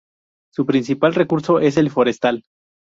Su principal recurso es el forestal.